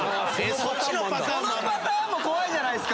そのパターンも怖いじゃないですか。